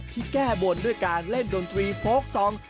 แก้บนด้วยการเล่นดนตรีโพกซอง